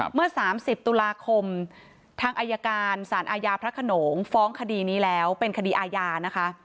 เมื่อ๓๐ตุลาคมทางอายการสารอาญาพระขนงฟ้องคดีนี้แล้วเป็นคดีอาญานะคะ